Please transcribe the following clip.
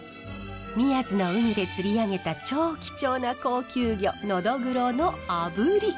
宮津の海で釣り上げた超貴重な高級魚ノドグロのあぶり。